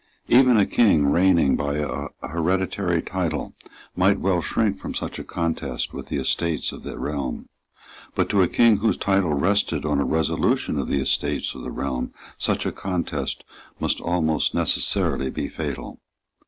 Even a King reigning by a hereditary title might well shrink from such a contest with the Estates of the Realm. But to a King whose title rested on a resolution of the Estates of the Realm such a contest must almost necessarily be fatal.